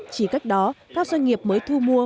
chỉ cách đó các doanh nghiệp mới thu mua